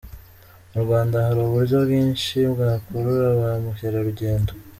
Mu Rwanda hari uburyo bwinshi bwakurura ba mukerarugendo